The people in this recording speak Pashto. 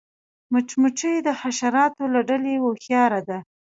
مچمچۍ د حشراتو له ډلې هوښیاره ده